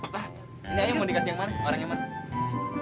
wah ini aja mau dikasih yang mana orang yang mana